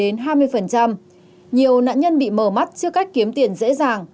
nhiều nạn nhân bị mờ mắt trước cách kiếm tiền dễ dàng